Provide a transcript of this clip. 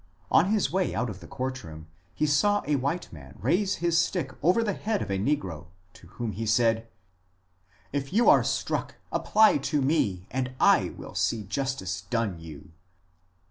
On his way out of the court>room he saw a white man raise his stick over the head of a negro, to whom he said, If you are struck apply to me, and I will see justice done you."